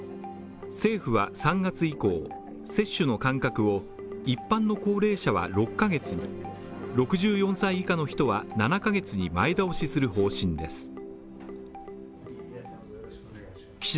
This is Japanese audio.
政府は３月以降、接種の間隔を一般の高齢者は６ヶ月６４歳以下の人は７ヶ月に前倒しする方針です。